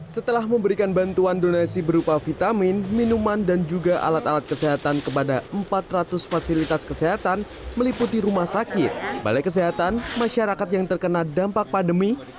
setelah memberikan bantuan donasi berupa vitamin minuman dan juga alat alat kesehatan kepada empat ratus fasilitas kesehatan meliputi rumah sakit balai kesehatan masyarakat yang terkena dampak pandemi